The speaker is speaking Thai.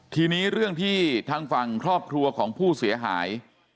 ทีนี้เรื่องที่ทางฝั่งครอบครัวของผู้เสียหาย